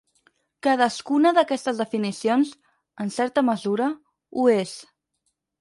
Cadascuna d'aquestes definicions, en certa mesura, ho és.